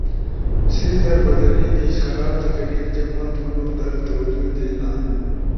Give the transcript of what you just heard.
سیس در بدنی دیش، خراب تقریر جمع تھونو در توجہ دینا،